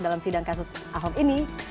dalam sidang kasus ahok ini